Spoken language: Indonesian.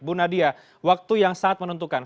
bu nadia waktu yang sangat menentukan